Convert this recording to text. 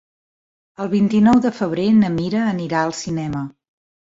El vint-i-nou de febrer na Mira anirà al cinema.